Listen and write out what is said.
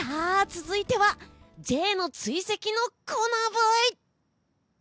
続いてはＪの追跡のコーナーブイ！